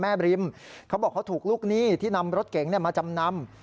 บริมเขาบอกเขาถูกลูกหนี้ที่นำรถเก๋งมาจำนำ